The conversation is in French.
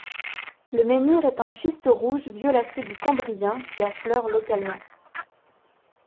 Le menhir est en schiste rouge violacé du cambrien qui affleure localement.